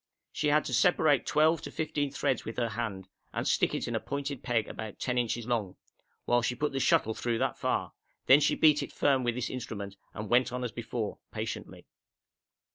She had to separate twelve to fifteen threads with her hand, and stick in a pointed peg about 10 inches long, while she put the shuttle through that far; then she beat it firm with this instrument and went on as before, patiently.